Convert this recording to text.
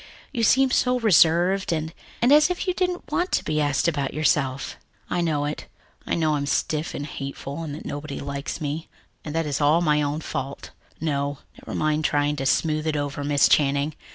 You seem so reserved and and, as if you didn't want to be asked about yourself." "I know it. I know I'm stiff and hateful, and that nobody likes me, and that it is all my own fault. No, never mind trying to smooth it over, Miss Channing.